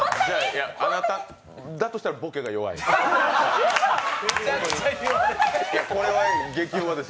だとしたらボケが弱いです。